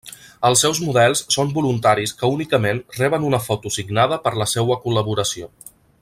Els seus models són voluntaris que únicament reben una foto signada per la seua col·laboració.